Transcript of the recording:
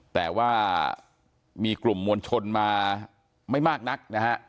แต่ว่ามีกลุ่มมวลชนมาไม่มากนักนะฮะ